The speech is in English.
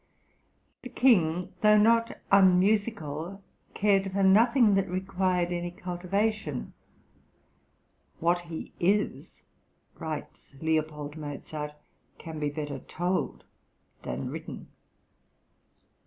The King, although not unmusical, cared for nothing that required any cultivation; "what he is," writes L. Mozart, "can be better told than written."